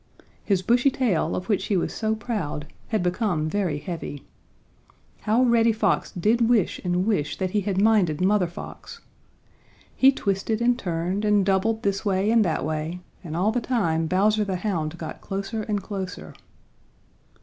His bushy tail, of which he was so proud, had become very heavy. How Reddy Fox did wish and wish that he had minded Mother Fox! He twisted and turned, and doubled this way and that way, and all the time Bowser the Hound got closer and closer.